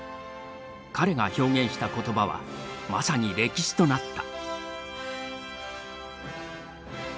彼が表現した言葉はまさに歴史となった。